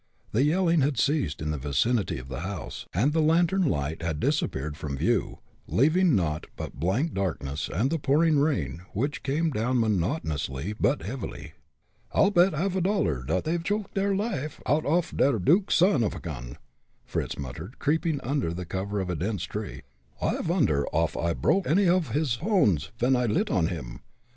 The yelling had ceased in the vicinity of the house, and the lantern light had disappeared from view, leaving naught but blank darkness and the pouring rain, which came down monotonously but heavily. "I'll bet a half dollar dot they've choked der life oud off dot duke's son off a gun," Fritz muttered, creeping under the cover of a dense tree. "I vonder off I proke any of his pones ven I lit on him.